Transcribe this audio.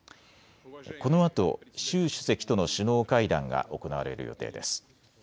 このあと習主席との首脳会談が行われる予定です。